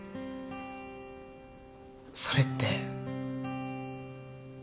それって。